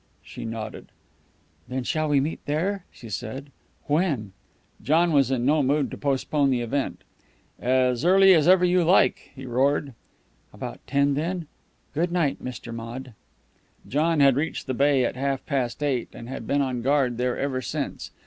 She nodded. "Then shall we meet there?" she said. "When?" John was in no mood to postpone the event. "As early as ever you like," he roared. "At about ten, then. Good night, Mr. Maude." John had reached the bay at half past eight, and had been on guard there ever since.